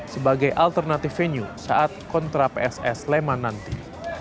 sebagai alternatif venue saat kontra pss leman nanti